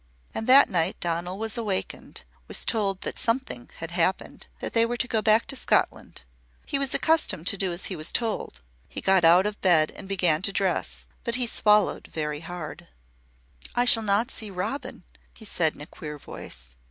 And that night Donal was awakened, was told that "something" had happened, that they were to go back to Scotland. He was accustomed to do as he was told. He got out of bed and began to dress, but he swallowed very hard. "I shall not see Robin," he said in a queer voice.